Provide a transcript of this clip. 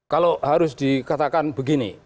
kalau harus dikatakan begini